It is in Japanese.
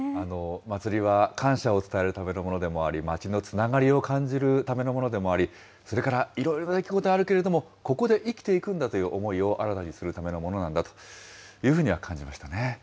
まつりは感謝を伝えるためのものでもあり、町のつながりを感じるためのものでもあり、それから、いろいろな出来事あるけれども、ここで生きていくんだという思いを新たにするためのものなんだというふうに感じましたね。